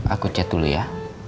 aku chat dulu ya